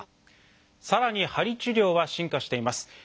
さらに鍼治療は進化しています。